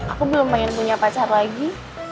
aku belum pengen punya pacar lagi